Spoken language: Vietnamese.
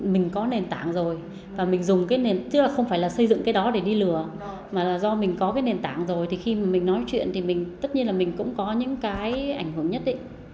mình có nền tảng rồi và mình dùng cái nền tảng chứ không phải là xây dựng cái đó để đi lừa mà do mình có cái nền tảng rồi thì khi mình nói chuyện thì tất nhiên là mình cũng có những cái ảnh hưởng nhất